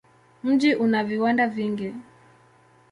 Mji una viwanda vingi.